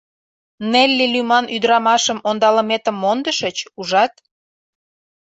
— Нелли лӱман ӱдрамашым ондалыметым мондышыч, ужат?